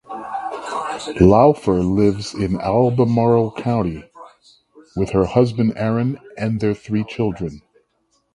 Laufer lives in Albemarle County with her husband Aaron and their three children.